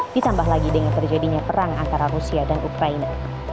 ditambah lagi dengan terjadinya perang antara rusia dan ukraina